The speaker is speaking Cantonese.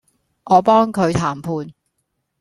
我幫佢談判